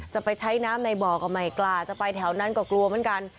จะไปใช้น้ำในบ่อก็ไม่กล้าจะไปแถวนั้นก็กลัวเหมือนกัน